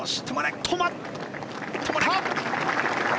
止まった！